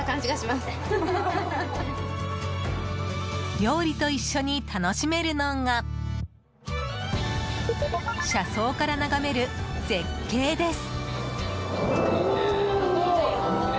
料理と一緒に楽しめるのが車窓から眺める絶景です。